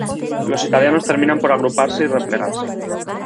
Los italianos terminan por agruparse y replegarse.